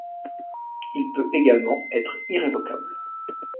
Il peut également être irrévocable.